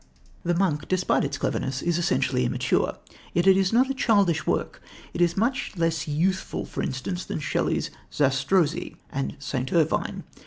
The Monk, despite its cleverness, is essentially immature, yet it is not a childish work. It is much less youthful, for instance, than Shelley's Zastrozzi and St. Irvyne.